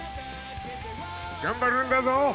頑張るんだぞ。